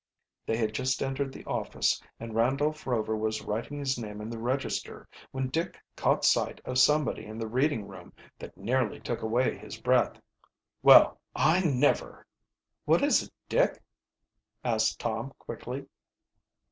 They had just entered the office; and Randolph Rover was writing his name in the register, when Dick caught sight of somebody in the reading room that nearly took away his breath. "Well, I never!" "What is it, Dick?" asked Tom quickly.